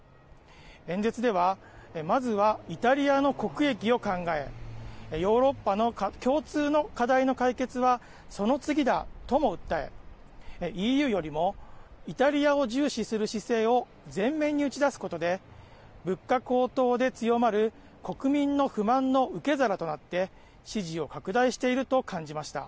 演説ではまずはイタリアの国益を考えヨーロッパの共通の課題の解決はその次だとも訴えＥＵよりもイタリアを重視する姿勢を前面に打ち出すことで物価高騰で強まる国民の不満の受け皿となって支持を拡大していると感じました。